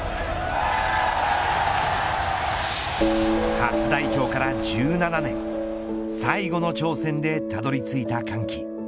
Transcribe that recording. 初代表から１７年最後の挑戦でたどり着いた歓喜。